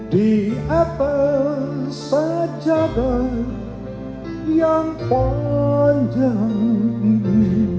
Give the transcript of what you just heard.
di apa sajarah yang panjang ini